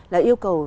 là yêu cầu